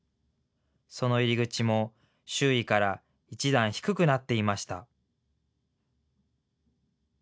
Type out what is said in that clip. その入り口も周囲から１段低くなっていました。